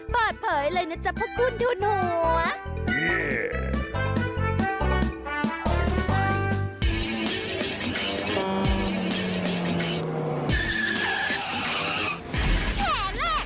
เปิดเผยเลยนะจ๊ะพระคุณดูนหัว